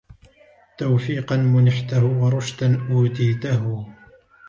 تَوْفِيقًا مُنِحْتَهُ وَرُشْدًا أُوتِيتَهُ